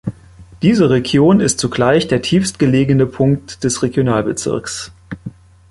Diese Region ist zugleich der tiefstgelegene Punkt des Regionalbezirks.